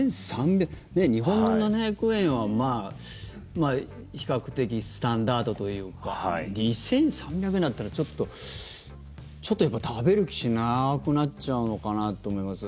日本の７００円は比較的スタンダードというか２３００円なんてのはちょっと食べる気がしなくなっちゃうのかなと思います。